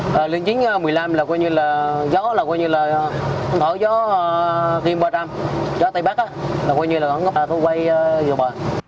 tôi đang ở là một mươi bảy hai mươi một một mươi chín một mươi năm là gió là gió gió tây bắc là gió tây bắc là gió tây bắc